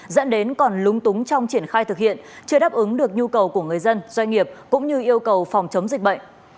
dẫn đến còn lúng túng trong triển khai thực hiện chưa đáp ứng được nhu cầu của người dân doanh nghiệp cũng như yêu cầu phòng chống dịch bệnh